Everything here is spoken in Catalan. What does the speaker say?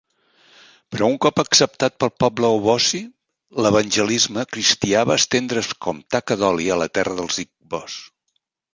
Però un cop acceptat pel poble Obosi, l'evangelisme cristià va estendre's com taca d'oli a la terra dels igbos.